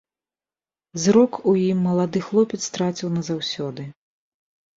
Зрок у ім малады хлопец страціў назаўсёды.